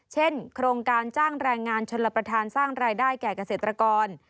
โครงการจ้างแรงงานชนรับประทานสร้างรายได้แก่เกษตรกร